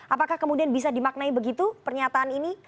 apakah kemudian bisa dimaknai begitu pernyataan ini